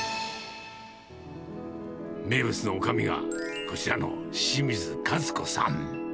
名物のおかみが、こちらの清水和子さん。